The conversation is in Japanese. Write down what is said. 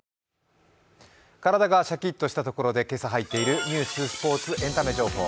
体がシャキッとしたところで、今朝入っているニュース、スポーツエンタメ情報。